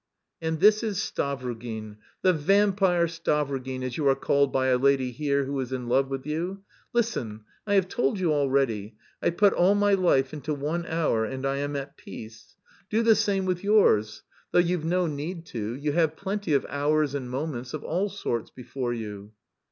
"And this is Stavrogin, 'the vampire Stavrogin,' as you are called by a lady here who is in love with you! Listen! I have told you already, I've put all my life into one hour and I am at peace. Do the same with yours... though you've no need to: you have plenty of 'hours' and 'moments' of all sorts before you."